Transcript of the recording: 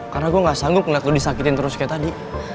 karena gue gak sanggup liat lo disakitin terus kayak tadi